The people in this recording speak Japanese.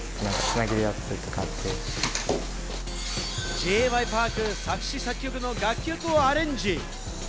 Ｊ．Ｙ．Ｐａｒｋ作詞・作曲の楽曲をアレンジ。